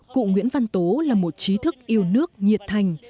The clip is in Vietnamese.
cụ nguyễn văn tố là một trí thức yêu nước nhiệt thành